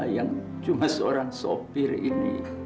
yang cuma seorang sopir ini